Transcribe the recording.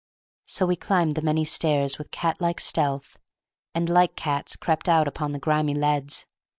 So we climbed the many stairs with cat like stealth, and like cats crept out upon the grimy leads.